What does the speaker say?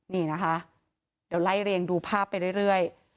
นี่นะคะเดี๋ยวไล่เรียงดูภาพไปเรื่อย